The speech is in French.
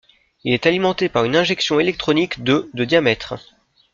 Il est alimenté par une injection électronique de de diamètre.